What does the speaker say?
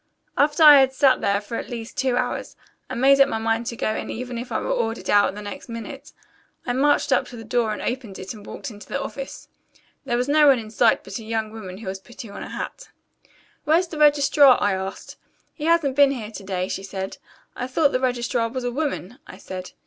"After I had sat there for at least two hours, I made up my mind to go in even if I were ordered out the next minute. I marched up to the door and opened it and walked into the office. There was no one in sight but a young woman who was putting on her hat. 'Where's the registrar?' I asked. 'He hasn't been here to day,' she said. 'I thought the registrar was a woman,' I said.